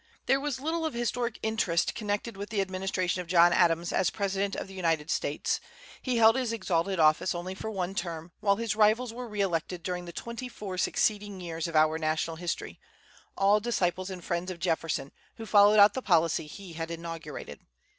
There was little of historic interest connected with the administration of John Adams as President of the United States. He held his exalted office only for one term, while his rivals were re elected during the twenty four succeeding years of our national history, all disciples and friends of Jefferson, who followed out the policy he had inaugurated.